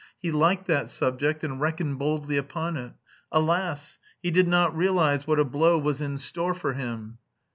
He liked that subject and reckoned boldly upon it. Alas! he did not realise what a blow was in store for him.